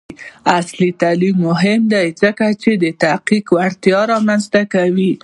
عصري تعلیم مهم دی ځکه چې تحقیقي وړتیا رامنځته کوي.